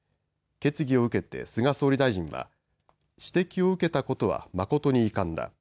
決議を受けて菅総理大臣は指摘を受けたことは誠に遺憾だ。